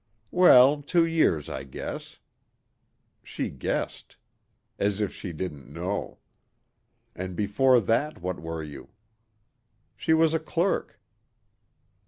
Well, two years, I guess. She guessed. As if she didn't know. And before that what were you? She was a clerk.